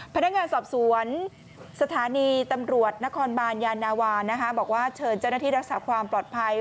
พนักงานสอบสวนสถานีตำรวจนครบานยานาวาบอกว่าเชิญเจ้าหน้าที่รักษาความปลอดภัย